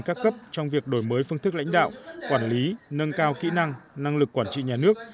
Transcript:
các cấp trong việc đổi mới phương thức lãnh đạo quản lý nâng cao kỹ năng năng lực quản trị nhà nước